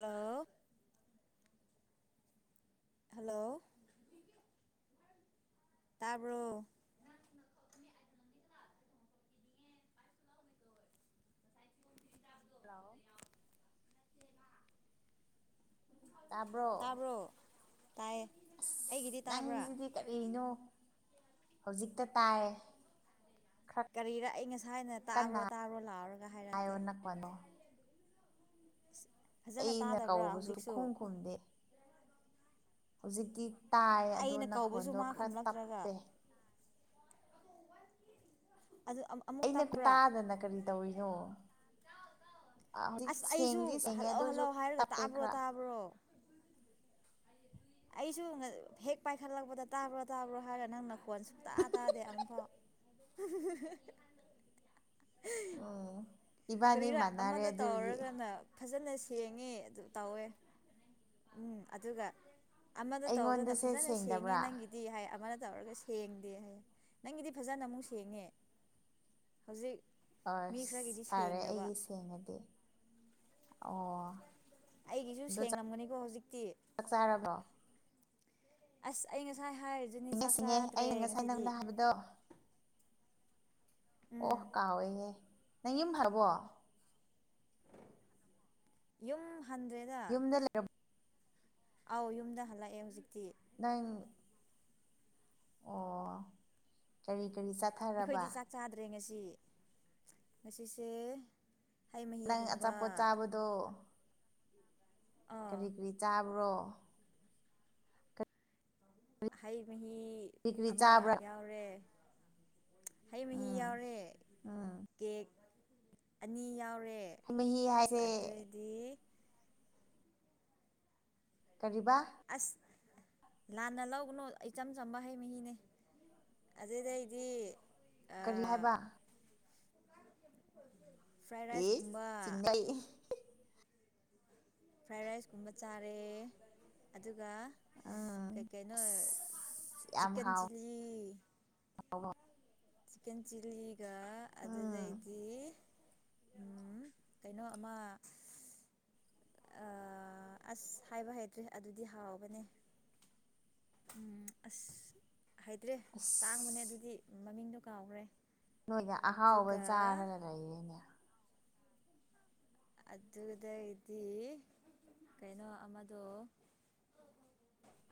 hello hello ꯇꯥꯕ꯭ꯔꯣ hello ꯇꯥꯕ꯭ꯔꯣ ꯇꯥꯕꯔꯣ ꯇꯥꯏꯌꯦ ꯑꯩꯒꯤꯗꯤ ꯑꯁ ꯇꯥꯕ꯭ꯔꯥ ꯅꯪꯖꯤꯗꯤ ꯀꯔꯤꯅꯣ ꯍꯧꯖꯤꯛꯇ ꯇꯥꯏꯌꯦ ꯀꯔꯤꯔ ꯑꯩ ꯉꯁꯥꯏꯅ ꯇꯥꯕ꯭ꯔꯣ ꯇꯥꯕ꯭ꯔꯣ ꯂꯥꯎꯔꯒ ꯍꯥꯏꯔꯛꯇꯦ ꯄꯅꯣ ꯐꯖꯅ ꯑꯩꯅ ꯇꯥꯗꯕ꯭ꯔꯥ ꯀꯧꯕꯁꯨ ꯍꯧꯖꯤꯛꯁꯨ ꯁꯨꯛꯈꯨꯝ ꯈꯨꯝꯗꯦ ꯍꯨꯖꯤꯛꯇꯤ ꯇꯥꯏꯌꯦ ꯑꯗꯣ ꯑꯩꯅ ꯀꯧꯕꯁꯨ ꯅꯥꯈꯣꯟꯗꯣ ꯃꯥ ꯈꯔ ꯈꯨꯝꯂꯛꯇ꯭ꯔꯒ ꯇꯞꯄꯦ ꯑꯗꯨ ꯑꯃ ꯑꯩꯅꯛ ꯇꯥꯥꯗꯅ ꯀꯔꯤ ꯇꯧꯔꯤꯅꯣ ꯑ ꯍꯧꯖꯤꯛ ꯑꯁ ꯑꯩꯁꯨ ꯁꯦꯡꯗꯤ ꯁꯦꯡꯉꯦ ꯑꯗꯨꯔꯖꯨꯛ ꯇꯞꯄꯦ ꯈꯔ ꯑꯥꯕ꯭ꯔꯣ ꯑꯩꯁꯨ ꯉꯜ ꯍꯦꯛ ꯄꯥꯏꯈꯠꯂꯛꯄꯗ ꯇꯥꯕ꯭ꯔꯣ ꯇꯥꯕ꯭ꯔꯣ ꯍꯥꯏꯔ ꯅꯪ ꯅꯈꯣꯟ ꯁꯨꯛꯇ ꯇꯥꯗꯦ ꯑꯃꯐꯥꯎ ꯎꯝ [unintelligible] ꯏꯕꯥꯅꯤ ꯀꯔꯤꯔ ꯃꯥꯟꯅꯔꯦ ꯑꯃꯗ ꯑꯗꯨꯗꯤ ꯇꯧꯔꯒꯅ ꯐꯖꯅ ꯁꯦꯡꯉꯦ ꯑꯗꯨ ꯇꯧꯋꯦ ꯎꯝ ꯑꯗꯨꯒ ꯑꯃꯗ ꯇꯧꯕꯗꯅ ꯑꯩꯉꯣꯟꯗꯁꯦ ꯐꯖꯅ ꯁꯦꯡꯉꯦ ꯁꯦꯡꯗꯕ꯭ꯔꯥ ꯅꯪꯒꯤ ꯗꯤ ꯍꯥꯏ ꯑꯃꯅ ꯇꯧꯔꯒ ꯁꯦꯡꯗꯦ ꯍꯥꯏꯌꯦ ꯅꯪꯒꯤꯗꯤ ꯐꯖꯅ ꯑꯃꯨꯛ ꯁꯦꯡꯉꯦ ꯍꯧꯖꯤꯛ ꯃꯤ ꯑꯁ ꯈꯔꯒꯤꯗꯤ ꯐꯔꯦ ꯁꯦꯡꯗꯕ ꯑꯩꯒꯤ ꯁꯦꯡꯉꯗꯤ ꯑꯣ ꯑꯩꯒꯤꯁꯨ ꯁꯦꯡꯂꯝꯒꯅꯤꯀꯣ ꯍꯨꯖꯤꯛꯇꯤ ꯑꯛ ꯆꯥꯔꯕꯣ ꯑꯁ ꯑꯩ ꯉꯁꯥꯏ ꯍꯥꯏꯔꯤꯗꯨꯅꯤ ꯆꯥꯛ ꯆꯥꯗ꯭ꯔꯦ ꯉꯁꯤꯗꯤ ꯗꯣ ꯑꯣ ꯎꯝ ꯀꯥꯎꯋꯦꯍꯦ ꯅꯪ ꯌꯨꯝ ꯍꯕꯣ ꯌꯨꯝ ꯍꯟꯗ꯭ꯔꯦꯠ ꯌꯨꯝꯗ ꯂꯩꯔꯞ ꯑꯧ ꯌꯨꯝꯗ ꯍꯜꯂꯑꯦ ꯍꯧꯖꯤꯛꯇꯤ ꯅꯪ ꯑꯣ ꯀꯔꯤ ꯀꯔꯤ ꯆꯠ ꯑꯩꯈꯣꯏꯗꯤ ꯆꯥꯛ ꯆꯥꯗ꯭ꯔꯦ ꯉꯁꯤ ꯉꯁꯤꯁꯦ ꯍꯩ ꯅꯪ ꯃꯍꯤꯒꯨꯝꯕ ꯑꯆꯥꯄꯣꯠ ꯆꯥꯕꯗꯣ ꯑꯥ ꯀꯔꯤ ꯀꯔꯤ ꯆꯥꯕ꯭ꯔꯣ ꯀꯔꯤ ꯍꯩ ꯃꯍꯤ ꯀꯔꯤ ꯑꯃ ꯆꯥꯕ꯭ꯔꯥ ꯌꯥꯎꯔꯦ ꯍꯩ ꯃꯍꯤ ꯎꯝ ꯌꯥꯎꯔꯦ ꯎꯝ ꯀꯦꯛ ꯑꯅꯤ ꯌꯥꯎꯔꯦ ꯍꯩ ꯃꯍꯤ ꯍꯥꯏꯁꯦ ꯗꯤ ꯀꯔꯤꯕꯥ ꯑꯁ ꯂꯥꯟꯅ ꯂꯧꯒꯅꯨ ꯏꯆꯝ ꯆꯝꯕ ꯍꯩ ꯃꯍꯤꯅꯦ ꯑꯗꯨꯗꯩꯗꯤ ꯀꯔꯤ ꯍꯥꯏꯕ ꯐ꯭ꯔꯥꯏ ꯑꯦ ꯔꯥꯏꯁꯀꯨꯝꯕ ꯆꯤꯡꯅꯩ ꯐ꯭ꯔꯥꯏ ꯔꯥꯏꯁ ꯀꯨꯝꯕ ꯆꯥꯔꯦ ꯑꯗꯨꯒ ꯎꯝ ꯀꯩ ꯀꯩꯩꯅꯣ ꯑꯁ ꯌꯥꯝ ꯆꯤꯛꯀꯟ ꯍꯥꯎ ꯆꯤꯂꯤ [unintelligible] ꯆꯤꯛꯀꯟ ꯆꯤꯂꯤꯒ ꯎꯝ ꯑꯗꯨꯗꯩꯗꯤ ꯎꯝ ꯀꯩꯅꯣ ꯑꯃ ꯑꯁ ꯍꯥꯏꯕ ꯍꯩꯇ꯭ꯔꯦ ꯑꯗꯨꯗꯤ ꯍꯥꯎꯕꯅꯦ ꯎꯝ ꯑꯁ ꯍꯥꯏꯗ꯭ꯔꯦ ꯑꯁ ꯇꯥꯡꯕꯅꯦ ꯑꯗꯨꯗꯤ ꯃꯃꯤꯡꯗꯣ ꯀꯥꯎꯈ꯭ꯔꯦ ꯅꯣꯏꯅ ꯑꯍꯥꯎꯕ ꯑꯗꯨꯒ ꯆꯥꯔꯒ ꯂꯩꯔꯦꯅꯦ ꯑꯗꯨꯗꯒꯤꯗꯤ ꯀꯩꯅꯣ ꯑꯃꯗꯣ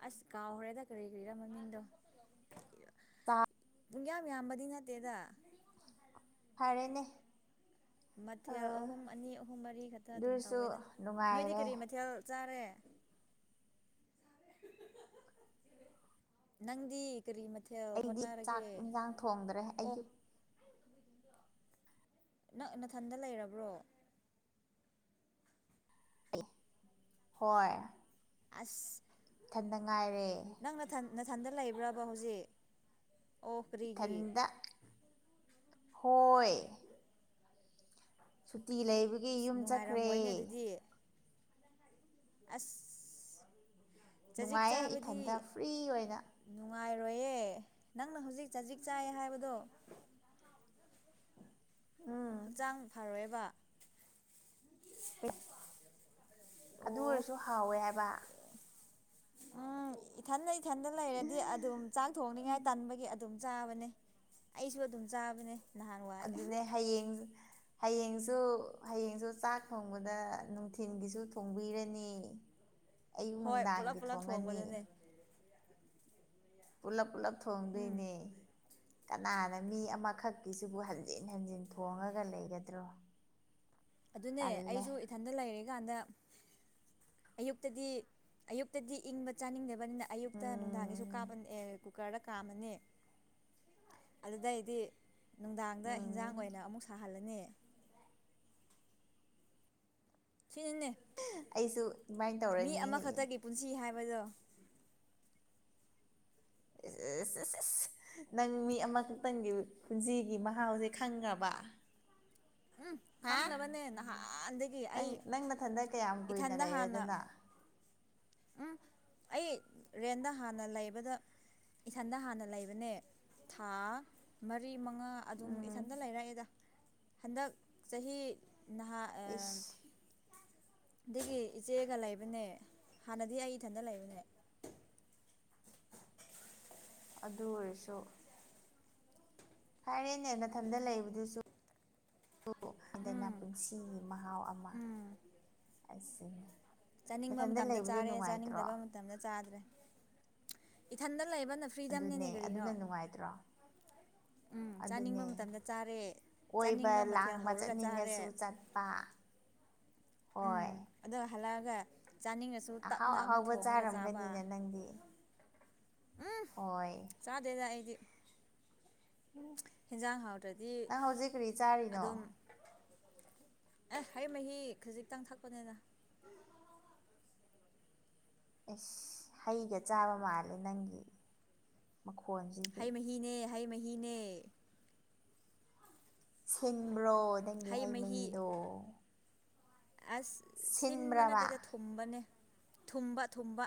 ꯑꯁ ꯀꯥꯎꯈꯔꯦꯗ ꯀꯔꯤ ꯀꯔꯤꯔ ꯃꯃꯤꯡꯗꯣ ꯇꯥ ꯄꯨꯡ ꯌꯥꯝ ꯌꯥꯝꯕꯗꯤ ꯅꯠꯇꯦꯗ ꯐꯔꯦꯅꯦ ꯃꯊꯦꯜ ꯑ ꯑꯍꯨꯝ ꯑꯅꯤ ꯑꯍꯨꯝ ꯃꯔꯤ ꯈꯛꯇ ꯑꯗꯨꯝ ꯑꯗꯨꯁꯨ ꯇꯧꯋꯦꯗ ꯅꯣꯏꯗꯤ ꯅꯨꯡꯉꯥꯏꯔꯦ ꯀꯔꯤ ꯃꯊꯦꯜ ꯆꯥꯔꯦ ꯅꯪꯗꯤ ꯀꯔꯤ ꯃꯊ ꯊꯦꯜ ꯑꯩꯗꯤ ꯆꯥꯛ ꯍꯣꯠꯅꯔꯒꯦ ꯏꯟꯁꯥꯡ ꯊꯣꯡꯗ꯭ꯔꯦ ꯑꯣ ꯑꯌꯨꯛ ꯅꯛ ꯅꯊꯟꯗ ꯂꯩꯔꯕ꯭ꯔꯣ ꯍꯣꯏ ꯑꯁ ꯏꯊꯟꯗ ꯉꯥꯏꯔꯦ ꯅꯪꯅ ꯅꯊꯟ ꯅꯊꯟꯗ ꯂꯩꯕ꯭ꯔꯕ ꯍꯧꯖꯤꯛ ꯑꯣ ꯀꯔꯤꯒꯤ ꯊꯟꯗ ꯍꯣꯏ ꯁꯨꯇꯤ ꯂꯩꯕꯒꯤ ꯑꯁ ꯌꯨꯝ ꯆꯠꯈ꯭ꯔꯦ ꯅꯨꯡꯉꯥꯏꯔꯝꯃꯣꯏꯅꯦ ꯑꯗꯨꯗꯤ ꯑꯁ ꯆꯖꯤꯛ ꯅꯨꯡꯉꯥꯏꯌꯦ ꯆꯥꯕꯗꯤ ꯏꯊꯟꯇ ꯐ꯭ꯔꯤ ꯑꯣꯏꯅ ꯅꯨꯡꯉꯥꯏꯔꯣꯏꯌꯦ ꯅꯪꯅ ꯍꯧꯖꯤꯛ ꯆꯖꯤꯛ ꯆꯥꯏꯌꯦ ꯍꯥꯏꯕꯗꯣ ꯎꯝ ꯍꯛꯆꯥꯡ ꯐꯔꯣꯏꯌꯦꯕ ꯑꯦ ꯑꯗꯨ ꯑꯣ ꯑꯣꯏꯔꯁꯨ ꯍꯥꯎꯋꯦ ꯍꯥꯏꯕ ꯎꯝ ꯏꯊꯟꯗ ꯏꯊꯟꯗ ꯂꯩꯔꯗꯤ ꯑꯗꯨꯝ ꯆꯥꯛ ꯊꯣꯡꯅꯤꯡꯉꯥꯏ ꯇꯟꯕꯒꯤ ꯑꯗꯨꯝ ꯆꯥꯕꯅꯦ ꯑꯩꯁꯨ ꯑꯗꯨꯝ ꯆꯥꯕꯅꯦ ꯅꯍꯥꯟꯋꯥꯏ ꯑꯗꯨꯅꯦ ꯍꯌꯦꯡ ꯍꯌꯦꯡꯁꯨ ꯍꯌꯦꯡꯁꯨ ꯆꯥꯛ ꯊꯣꯡꯕꯗ ꯅꯨꯡꯊꯤꯟꯒꯤꯁꯨ ꯊꯣꯡꯕꯤꯔꯅꯤ ꯑꯌꯨꯛ ꯍꯣꯏ ꯄꯨꯂꯞ ꯅꯨꯡꯗꯥꯡꯒꯤ ꯄꯨꯂꯞ ꯊꯣꯡꯉꯅꯤ ꯊꯣꯡꯕꯗꯅꯦ ꯄꯨꯂꯞ ꯄꯨꯜꯂꯞ ꯎꯝ ꯊꯣꯡꯗꯣꯏꯅꯦ ꯀꯅꯥꯅ ꯃꯤ ꯑꯃꯈꯛꯀꯤꯁꯤꯕꯨ ꯍꯟꯖꯤꯟ ꯍꯟꯖꯤꯟ ꯊꯣꯡꯉꯒ ꯂꯩꯒꯗ꯭ꯔꯣ [inaudible] ꯑꯗꯨꯅꯦ ꯇꯜꯂꯦ ꯑꯩꯁꯨ ꯏꯊꯟꯇ ꯂꯩꯔꯤꯀꯥꯟꯗ ꯑꯌꯨꯛꯇꯗꯤ ꯑꯌꯨꯛ ꯇꯗꯤ ꯏꯪꯕ ꯆꯥꯅꯤꯡꯗꯕꯅꯤꯅ ꯑꯌꯨꯛꯇ ꯅꯨꯡꯗꯥꯡꯒꯤꯁꯨ ꯎꯝ ꯀꯥꯞꯄ ꯑꯦ ꯀꯨꯀꯔꯗ ꯀꯥꯝꯃꯅꯤ ꯑꯗꯨꯗꯩꯗꯤ ꯅꯨꯡꯗꯥꯡꯗ ꯍꯤꯟꯖꯥꯡ ꯎꯝ ꯑꯣꯏꯅ ꯑꯃꯨꯛ ꯁꯥꯍꯜꯂꯅꯤ ꯁꯤꯅꯤꯅꯦ ꯑꯩꯁꯨ ꯑꯗꯨꯃꯥꯏꯅ ꯃꯤ ꯇꯧꯔꯅꯤ ꯍꯥꯏꯌꯦ ꯑꯃꯈꯛꯇꯒꯤ ꯄꯨꯟꯁꯤ ꯍꯥꯏꯕꯗꯣ ꯢꯁ ꯢꯁ ꯢꯁ ꯢꯁ ꯅꯪ ꯃꯤ ꯑꯃ ꯃꯇꯝꯒꯤ ꯄꯨꯟꯁꯤꯒꯤ ꯃꯍꯥꯎꯁꯦ ꯈꯪꯈ꯭ꯔꯕ ꯎꯝ ꯍꯥ ꯈꯪꯅꯕꯅꯦ ꯅꯍꯥꯟꯗꯒꯤ ꯅꯪ ꯑꯩ ꯅꯪ ꯅꯊꯟꯗ ꯀꯌꯥꯝ ꯀꯨꯏꯅ ꯏꯊꯟꯗ ꯍꯥꯟꯅ ꯂꯩꯔꯗꯅ ꯎꯝ ꯑꯩ ꯔꯦꯟꯗ ꯍꯥꯟꯅ ꯂꯩꯕꯗ ꯏꯊꯟꯗ ꯍꯥꯟꯅ ꯂꯩꯕꯅꯦ ꯊꯥ ꯃꯔꯤ ꯃꯉꯥ ꯑꯗꯨꯝ ꯎꯝ ꯏꯊꯟꯇ ꯂꯩꯔꯛꯑꯦꯗ ꯍꯟꯗꯛ ꯆꯍꯤ ꯅꯍꯥ ꯏꯁ ꯑꯗꯨꯒꯤ ꯏꯆꯦꯒ ꯂꯩꯕꯅꯦ ꯍꯥꯟꯅꯗꯤ ꯑꯩ ꯏꯊꯟꯗ ꯂꯩꯕꯅꯦ ꯑꯗꯨ ꯑꯣꯏꯔꯁꯨ ꯍꯥꯏꯔꯦꯅꯦ ꯅꯊꯟꯗ ꯂꯩꯕꯗꯨꯁꯨ ꯑꯗꯨ ꯍꯥꯏꯟꯗꯅ ꯎꯝ ꯄꯨꯟꯁꯤꯒꯤ ꯃꯍꯥꯎ ꯑꯃ ꯎꯝ ꯑꯁꯤ ꯆꯥꯅꯤꯡꯕ ꯃꯇꯝꯗ ꯆꯥꯔꯦ ꯆꯥꯅꯤꯡꯗꯕ ꯃꯇꯝꯗ ꯆꯥꯗ꯭ꯔꯦ ꯏꯊꯟꯗ ꯂꯩꯕ ꯐ꯭ꯔꯤꯗꯝꯅꯦꯅꯦ ꯑꯗꯨꯅꯦ ꯀꯔꯤꯅꯣ ꯑꯗꯨꯅ ꯅꯨꯡꯉꯥꯏꯇ꯭ꯔꯣ ꯎꯝ ꯆꯥꯅꯤꯡꯕ ꯑꯗꯨꯅꯦ ꯃꯇꯝꯗ ꯆꯥꯔꯦ ꯀꯣꯏꯕ ꯆꯥꯅꯤꯡꯕ ꯃꯊꯦꯜ ꯂꯥꯡꯕ ꯍꯧꯔꯒ ꯆꯥꯔꯦ ꯆꯠꯅꯤꯡꯉꯁꯨ ꯆꯠꯄ ꯎꯝ ꯍꯣꯏ ꯑꯗꯨꯒ ꯍꯜꯂꯛꯑꯒ ꯆꯥꯅꯤꯡꯉꯁꯨ ꯁꯨ ꯑꯍꯥꯎ ꯇꯞꯅ ꯑꯃꯨꯛ ꯑꯍꯥꯎꯕ ꯊꯣꯉꯒ ꯆꯥꯕ ꯆꯥꯔꯝꯒꯅꯤꯅ ꯅꯪꯗꯤ ꯍꯣꯏ ꯆꯥꯗꯦꯗ ꯑꯩꯗꯤ ꯎꯝ, ꯍꯦꯟꯖꯥꯡ ꯍꯥꯎꯇꯔꯗꯤ ꯅꯪ ꯍꯧꯖꯤꯛ ꯀꯔꯤ ꯆꯥꯔꯤꯅꯣ ꯑꯗꯨꯝ ꯑꯦ ꯍꯩ ꯃꯍꯤ ꯈꯖꯤꯛꯇꯪ ꯊꯛꯄꯅꯤꯅ ꯑꯦꯁ ꯍꯩꯒ ꯆꯥꯕ ꯃꯥꯜꯂꯦ ꯅꯪꯒꯤ ꯃꯈꯣꯟꯁꯤꯗꯤ ꯍꯩ ꯃꯍꯤꯅꯦ ꯍꯩ ꯃꯍꯤꯅꯦ ꯁꯤꯟꯕ꯭ꯔꯣ ꯅꯪ ꯍꯩ ꯃꯍꯤ ꯑꯁ ꯁꯤꯟꯕ ꯁꯤꯟꯕ꯭ꯔꯕ ꯅꯠꯇꯦꯗ ꯊꯨꯝ ꯊꯨꯝꯕꯅꯦ ꯊꯨꯝꯕ ꯊꯨꯝꯕ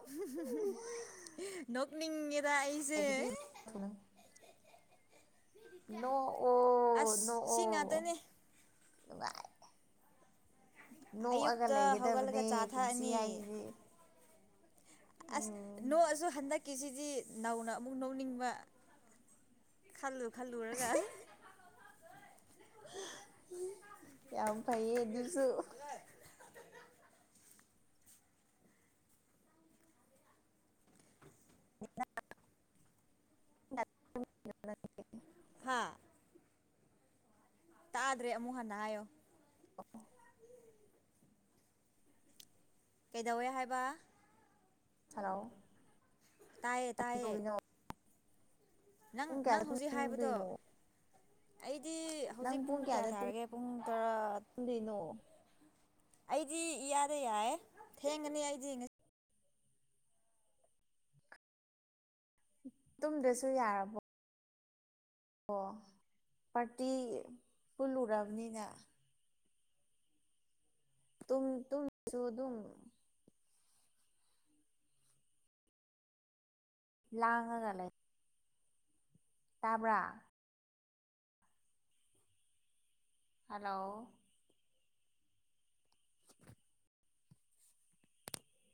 [unintelligible] ꯅꯣꯛ ꯅꯤꯡꯉꯤꯗ ꯑꯩ ꯑꯕꯤꯗꯤ ꯊꯨꯝ ꯅꯣꯛ ꯑꯣ ꯑꯁ ꯅꯣꯛ ꯁꯤ ꯑꯣ ꯉꯥꯛꯇꯅꯦ ꯅꯨꯡꯉꯥꯏ ꯅꯣꯛꯑꯒ ꯑꯌꯨꯛꯇ ꯍꯧꯒꯠꯂꯒ ꯂꯩꯒꯗꯕꯅꯦ ꯆꯥ ꯄꯨꯟꯁꯤ ꯊꯛꯑꯅꯤ ꯍꯥꯏꯁꯤꯗꯤ ꯑꯁ ꯎꯝ ꯅꯣꯛꯑꯁꯨ ꯍꯟꯗꯛꯀꯤꯁꯤꯗꯤ ꯅꯧꯅ ꯑꯃꯨꯛ ꯅꯧꯅꯤꯡꯕ ꯈꯜꯂꯨ ꯈꯜꯂꯨ ꯔꯒ ꯌꯥꯝ ꯐꯩꯌꯦ ꯑꯗꯨꯁꯨ [unintelligible] [unintelligible] ꯍꯥꯥ ꯇꯥꯗ꯭ꯔꯦ ꯑꯃꯨꯛ ꯍꯟꯅ ꯍꯥꯏꯌꯣ ꯀꯩꯗꯧꯋꯦ ꯍꯥꯏꯕ ꯍꯜꯂꯣ ꯇꯥꯏꯌꯦ ꯇꯥꯏꯌꯦ ꯀꯩꯗꯧꯔꯤꯅꯣ ꯅꯪ ꯄꯨꯡ ꯅꯪ ꯀꯌꯥꯗ ꯍꯧꯖꯤꯛ ꯍꯥꯏꯕꯗꯣ ꯇꯨꯝꯗꯣꯏꯅꯣ ꯑꯩꯗꯤ ꯅꯪ ꯍꯧꯖꯤꯛ ꯄꯨꯡ ꯀꯌꯥ ꯇꯥꯔꯒꯦ ꯄꯨꯡ ꯇꯔꯥ [unintelligible] ꯅꯣ ꯑꯩꯗꯤ ꯏ ꯌꯥꯗ ꯌꯥꯏꯑꯦ ꯊꯦꯡꯉꯅꯤ ꯑꯩꯗꯤ ꯌꯦꯡꯉꯁꯤ ꯇꯝꯗꯁꯨ ꯌꯥꯔꯕꯣ ꯑꯣ ꯄꯥꯔꯇꯤ ꯄꯨꯜꯂꯨꯔꯕꯅꯤꯅ ꯇꯨꯝ ꯇꯨꯝꯗ ꯁꯨ ꯑꯗꯨꯝ ꯂꯥꯡꯉꯒ ꯂꯩ ꯇꯥꯕ꯭ꯔꯥ ꯍꯜꯂꯣ